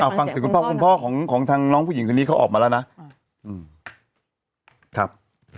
อ่าฟังเสี่ยงของพ่อของของทางน้องผู้หญิงคนนี้เขาออกมาแล้วนะอืมครับ